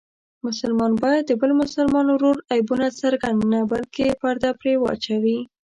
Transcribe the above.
مسلمان باید د بل مسلمان ورور عیبونه څرګند نه بلکې پرده پرې واچوي.